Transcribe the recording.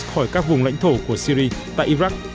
khỏi các vùng lãnh thổ của syri tại iraq